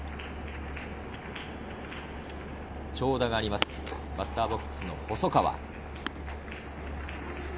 長打があります、バッターボックスの細川。